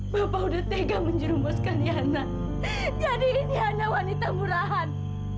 bapak udah tega menjerumuskan yana jadi ini hanya wanita murahan